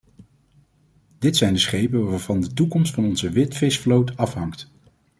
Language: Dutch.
Dit zijn de schepen waarvan de toekomst van onze witvisvloot afhangt.